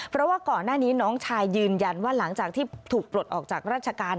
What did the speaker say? เพราะว่าก่อนหน้านี้น้องชายยืนยันว่าหลังจากที่ถูกปลดออกจากราชการ